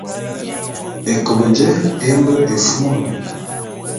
Ékop jé e mbe éfumulu.